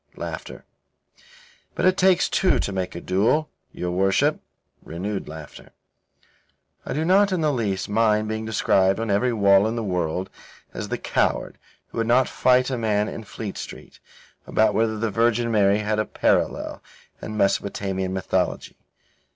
But it takes two to make a duel, your worship (renewed laughter). I do not in the least mind being described on every wall in the world as the coward who would not fight a man in Fleet Street, about whether the Virgin Mary had a parallel in Mesopotamian mythology.